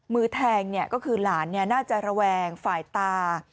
มือแทงก็คือหลานน่าจะระแวงฝ่ายตา